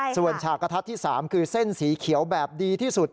ส่วนฉากกระทัดที่๓คือเส้นสีเขียวแบบดีที่สุด